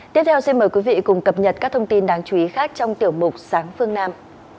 tiếp theo xin mời quý vị cùng cập nhật các thông tin đáng chú ý khác trong tiểu mục sáng phương nam